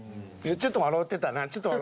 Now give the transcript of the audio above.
ちょっと笑うてたな。